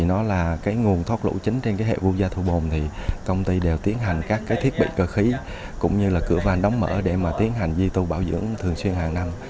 nó là nguồn thoát lũ chính trên hệ quốc gia thu bồn công ty đều tiến hành các thiết bị cơ khí cũng như cửa vàng đóng mở để tiến hành duy tu bảo dưỡng thường xuyên hàng năm